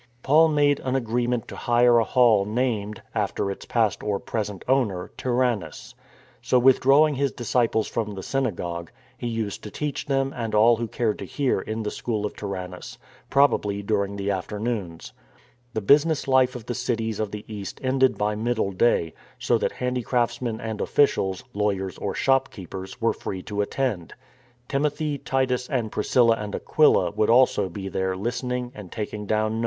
Paul made an agreement to hire a hall named, after its past or present owner, Tyrannus. So, withdraw ing his disciples from the synagogue, he used to teach them and all who cared to hear in the school of Tyrannus, probably during the afternoons. The busi ness life of the cities of the East ended by middle day, so that handicraftsmen and officials, lawyers or shopkeepers, were free to attend. Timothy, Titus, and Priscilla and Aquila would also be there listening and taking down notes.